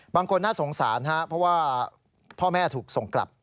บางคนน่าสงสารครับเพราะว่าพ่อแม่ถูกส่งกลับ